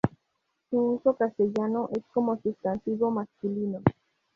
Su uso castellano es como sustantivo masculino.